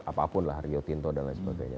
apapun lah rio tinto dan lain sebagainya